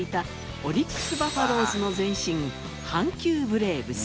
オリックス・バファローズの前身阪急ブレーブス。